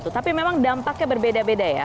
tapi memang dampaknya berbeda beda ya